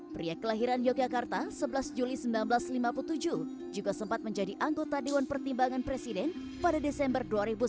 pria kelahiran yogyakarta sebelas juli seribu sembilan ratus lima puluh tujuh juga sempat menjadi anggota dewan pertimbangan presiden pada desember dua ribu sembilan belas